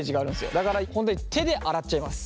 だから本当に手で洗っちゃいます。